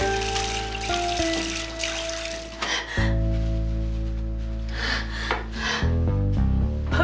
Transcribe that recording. boing dan reva